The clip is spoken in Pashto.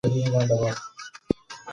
دا تړون د افغانستان په تاوان و.